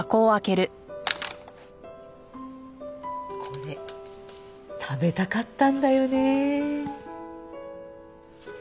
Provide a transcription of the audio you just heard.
これ食べたかったんだよねえ。